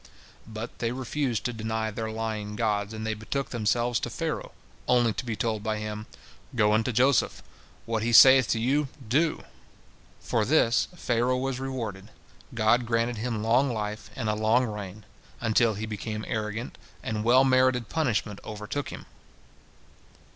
But they refused to deny their lying gods, and they betook themselves to Pharaoh, only to be told by him, "Go unto Joseph; what he saith to you, do!" For this Pharaoh was rewarded. God granted him long life and a long reign, until he became arrogant, and well merited punishment overtook him.